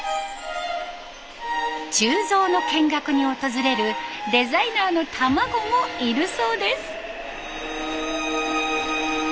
鋳造の見学に訪れるデザイナーの卵もいるそうです。